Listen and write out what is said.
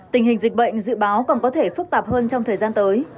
tình hình dịch bệnh dự báo còn có thể phức tạp hơn trong thời gian tới